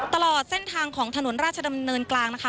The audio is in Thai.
ตลอดเส้นทางของถนนราชดำเนินกลางนะคะ